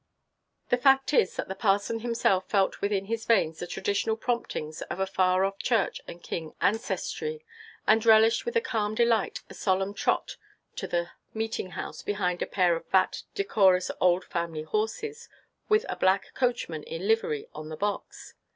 The fact is, that the parson himself felt within his veins the traditional promptings of a far off church and king ancestry, and relished with a calm delight a solemn trot to the meeting house behind a pair of fat, decorous old family horses, with a black coachman in livery on the box.